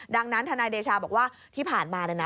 ดังนั้นทนายเดชาบอกว่าที่ผ่านมาเลยนะ